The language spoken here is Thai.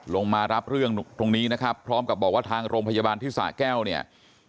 มารับเรื่องตรงนี้นะครับพร้อมกับบอกว่าทางโรงพยาบาลที่สะแก้วเนี่ย